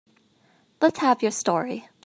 Let's have your story.